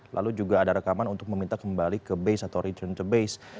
lalu juga ada rekaman untuk meminta kembali ke base atau return to base